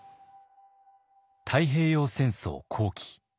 太平洋戦争後期。